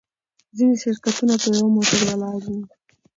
ځینې شرکتونه په یوه موټر ولاړ وي.